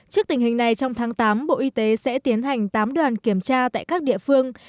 trước tình hình này trong tháng tám bộ y tế sẽ tiến hành tám đoàn kiểm tra tại các địa phương